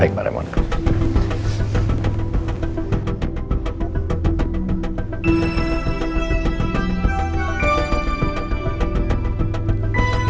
ya baik pak raymond